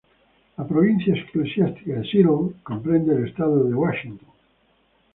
La Provincia Eclesiástica de Seattle comprende el estado de Washington.